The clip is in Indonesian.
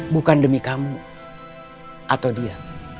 bukan demi kamu atau dia